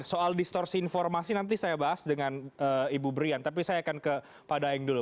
soal distorsi informasi nanti saya bahas dengan ibu brian tapi saya akan ke pak daeng dulu